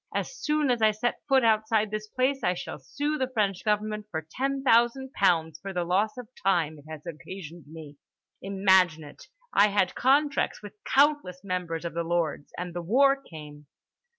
As soon as I set foot outside this place, I shall sue the French government for ten thousand pounds for the loss of time it has occasioned me. Imagine it—I had contracts with countless members of The Lords—and the war came.